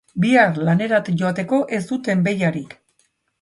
Bihar lanerat joateko ez dut enbeiarik.